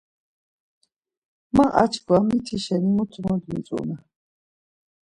Ma açkva miti şeni mutu mot mitzumer.